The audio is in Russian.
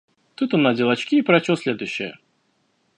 Тут он надел очки и прочел следующее: